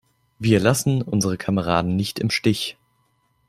Wir lassen unsere Kameraden nicht im Stich!